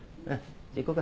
じゃ行こうか。